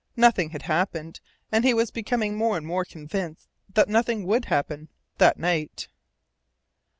Nothing had happened, and he was becoming more and more convinced that nothing would happen that night.